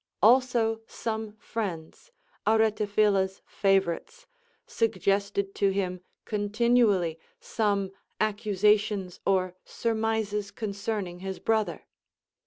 Also some friends, xlretaphila's favorites, suggested to him continually some accusations or surmises concerning his brother.